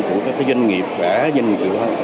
của các doanh nghiệp cả doanh nghiệp